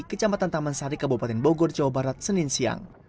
kecamatan taman sari kabupaten bogor jawa barat senin siang